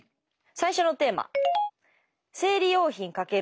最初のテーマ。